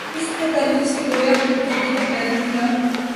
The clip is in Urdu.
اس تکلف سے کہ گویا بت کدے کا در کھلا